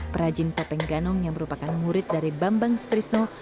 perajin topeng ganong yang merupakan murid dari bambang sutrisno